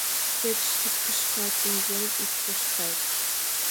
Кеч суртышкат миен ит тошкал.